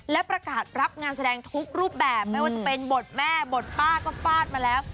และประกาศรับงานแสดงทุกรูปแบบไม่ว่าจะเป็นบทแม่บทป้าก็ฟาดมาแล้ว